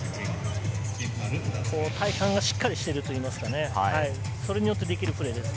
体幹がしっかりしているといいますか、それによってできるプレーです。